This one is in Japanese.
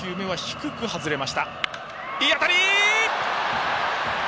いい当たり！